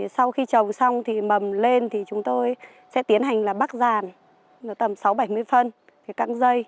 sau khi trồng xong thì mầm lên thì chúng tôi sẽ tiến hành là bắc giàn tầm sáu bảy mươi phân cạm dây